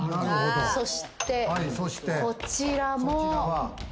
そして、こちらも。